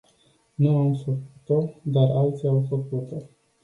Nu am făcut-o, dar alții au făcut-o.